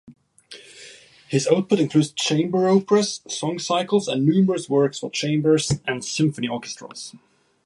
His output includes chamber operas, song-cycles and numerous works for chamber and symphony orchestras.